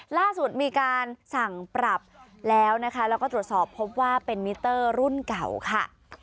ล่าสุดมีการสั่งปรับแล้วนะคะแล้วก็ตรวจสอบพบว่าเป็นมิเตอร์รุ่นเก่าค่ะ